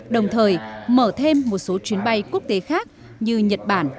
đồng thời mở thêm một số chuyến bay quốc tế khác như nhật bản